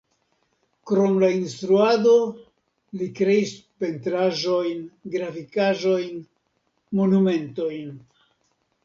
Krom la instruado li kreis pentraĵojn, grafikaĵojn, monumentojn.